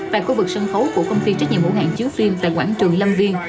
tại khu vực sân khấu của công ty trách nhiệm hữu hạng chiếu phim tại quảng trường lâm viên